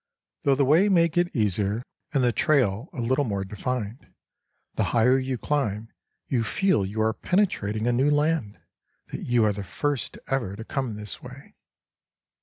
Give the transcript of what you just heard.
Though the way may get easier, and the trail a little more defined, the higher you climb, you feel you are penetrating a new land—that you are the first ever to come this way.